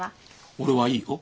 俺はいいよ。